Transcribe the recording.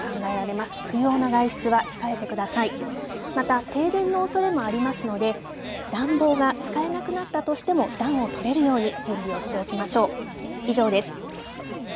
また停電のおそれもありますので、暖房が使えなくなったとしても、暖を取れるように準備をしておきましょう。